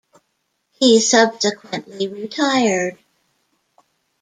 He subsequently retired.